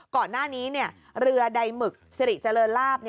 ก่อนหน้านี้เรือใดหมึกสิริเจริญลาบ